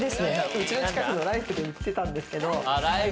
家の近くのライフで売ってたんですけど。